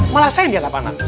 malah saya yang dianggap anak